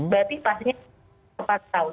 berarti pasien sudah empat tahun